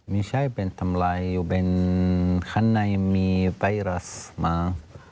ไม่ใช่เป็นทำร้ายอยู่ในข้างในมีไวรัสมา